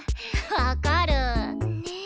分かる。ね。